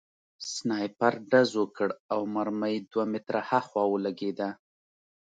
سنایپر ډز وکړ او مرمۍ دوه متره هاخوا ولګېده